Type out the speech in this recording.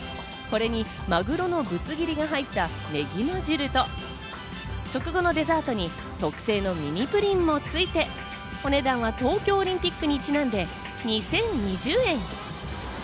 これにマグロのぶつ切りが入ったねぎま汁と、食後のデザートに特製のミニプリンもついて、お値段は東京オリンピックにちなんで２０２０円。